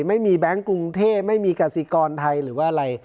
แบงค์กรุงเทพไม่มีกสิกรไทยหรือว่าอะไร